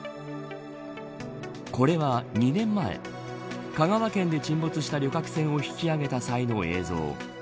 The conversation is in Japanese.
これは２年前香川県で沈没した旅客船を引き揚げた際の映像。